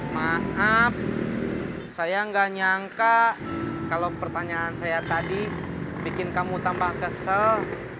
maaf saya nggak nyangka kalau pertanyaan saya tadi bikin kamu tambah kesel